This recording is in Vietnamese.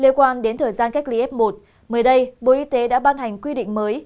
liên quan đến thời gian cách ly f một mới đây bộ y tế đã ban hành quy định mới